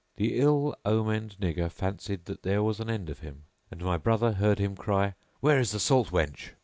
The ill omened nigger fancied that there was an end of him and my brother heard him cry, "Where is the salt wench?"